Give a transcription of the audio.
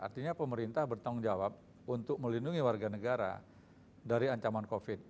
artinya pemerintah bertanggung jawab untuk melindungi warga negara dari ancaman covid